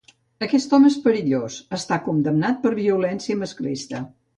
Aquest home és perillós, està condemnat per violència masclista.